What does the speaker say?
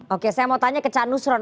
oke saya mau tanya ke ca nusron